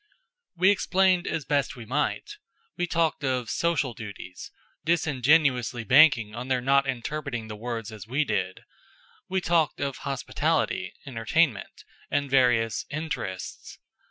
_" We explained as best we might. We talked of "social duties," disingenuously banking on their not interpreting the words as we did; we talked of hospitality, entertainment, and various "interests."